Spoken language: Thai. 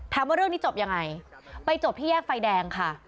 ถามว่าเรื่องนี้จบยังไงไปจบที่แยกไฟแดงค่ะ